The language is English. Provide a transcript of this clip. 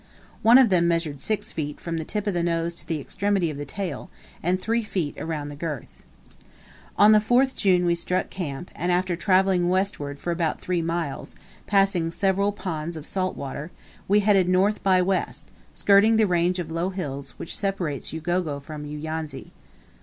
One of them measured six feet from the tip of the nose to the extremity of the tail, and three feet around the girth. On the 4th. June we struck camp, and after travelling westward for about three miles, passing several ponds of salt water, we headed north by west, skirting the range of low hills which separates Ugogo from Uyanzi.